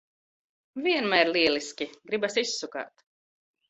Vienmēr lieliski! Gribas izsukāt.